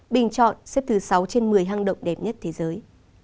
bình chọn xếp thứ sáu trên một mươi hang động đẹp nhất thế giới